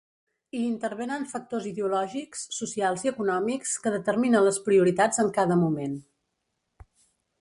Hi intervenen factors ideològics, socials i econòmics que determinen les prioritats en cada moment.